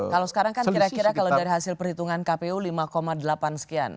kalau sekarang kan kira kira kalau dari hasil perhitungan kpu lima delapan sekian